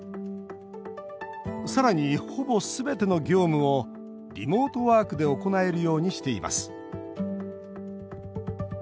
さらに、ほぼ全ての業務をリモートワークで行えるようにしています。